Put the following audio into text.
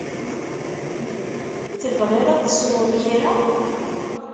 Tebɣiḍ ad tesweḍ kra?